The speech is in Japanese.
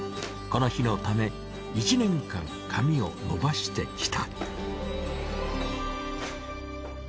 この日のため一年間髪を伸ばしてきた。